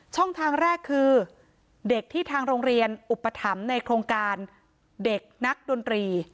ช่องทางแรกคือเด็กที่ทางโรงเรียนอุปถัมภ์ในโครงการเด็กนักดนตรี